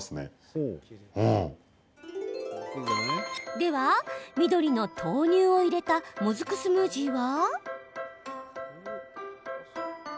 では、緑の豆乳を入れたもずくスムージーは？